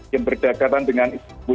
yang berdekatan dengan istimewa